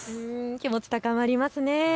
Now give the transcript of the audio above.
気持ち、高まりますね。